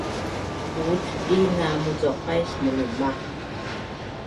utdi na mucuqais mulumaq